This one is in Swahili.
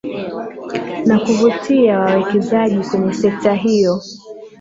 na kuvutia wawekezaji kwenye sekta hiyo